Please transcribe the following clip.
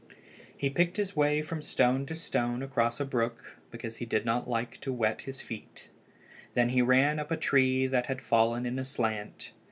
He picked his way from stone to stone across a brook because he did not like to wet his feet. Then he ran up a tree that had fallen in a slant.